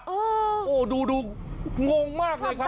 โอ้โหดูงงมากเลยครับ